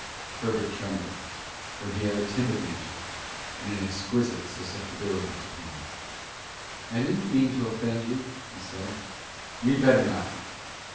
Herbert trembled, for he had a timid nature, and an exquisite susceptibility to pain. "I didn't mean to offend you," he said. "You'd better not.